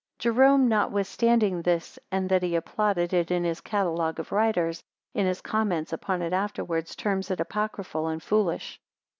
Jerome, notwithstanding this, and that he applauded it in his catalogue of writers, in his comments upon it afterwards, terms it apocryphal and foolish.